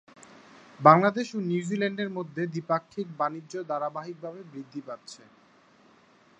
বাংলাদেশ ও নিউজিল্যান্ডের মধ্যে দ্বিপাক্ষিক বাণিজ্য ধারাবাহিকভাবে বৃদ্ধি পাচ্ছে।